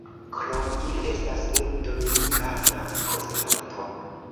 Krom ili, estas unu dominikana konsilanto.